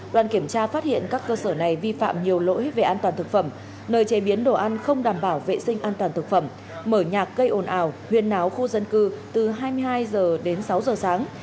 đoàn kiểm tra phát hiện các cơ sở này vi phạm nhiều lỗi về an toàn thực phẩm nơi chế biến đồ ăn không đảm bảo vệ sinh an toàn thực phẩm mở nhạc gây ồn ào huyền áo khu dân cư từ hai mươi hai h đến sáu giờ sáng